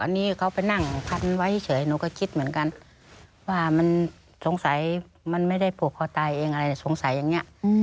อันนี้เขาไปนั่งพันไว้เฉยหนูก็คิดเหมือนกันว่ามันสงสัยมันไม่ได้ผูกคอตายเองอะไรสงสัยอย่างนี้